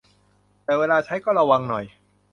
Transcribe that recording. แต่เวลาใช้ก็ระวังหน่อย